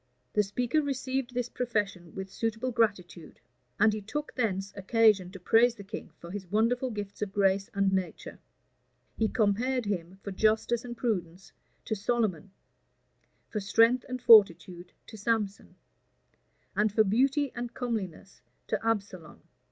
The speaker received this profession with suitable gratitude; and he took thence occasion to praise the king for his wonderful gifts of grace and nature: he compared him, for justice and prudence, to Solomon; for strength and fortitude, to Samson; and for beauty and comeliness, to Absalom.